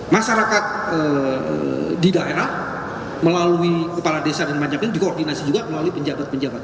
masyarakat di daerah melalui kepala desa dan macam ini dikoordinasi juga melalui penjabat penjabat